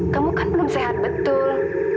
kamu kan belum sehat betul